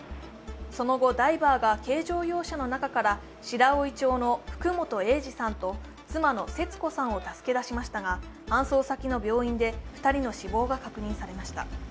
その後、ダイバーが軽乗用車の中から白老町の福本栄治さんと妻の節子さんを助け出しましたが、搬送先の病院で２人の死亡が確認されました。